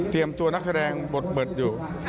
เตรียมตัวนักแสดงบทอยู่